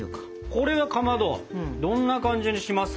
これはかまどどんな感じにしますかね？